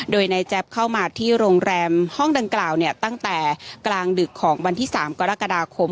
โดยนายแจ๊บเข้ามาที่โรงแรมห้องดังกล่าวเนี่ยตั้งแต่กลางดึกของวันที่๓กรกฎาคม